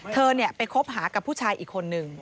เธอไปคบหากับผู้ชายอีกคนนึง